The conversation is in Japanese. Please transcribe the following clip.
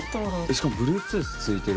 しかもＢｌｕｅｔｏｏｔｈ付いてる。